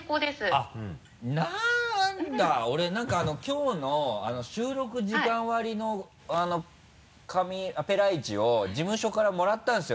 あっなんだ俺何かきょうの収録時間割の紙ペラ１を事務所からもらったんですよ